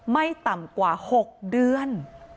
ไม่ต่ำกว่า๖เดือน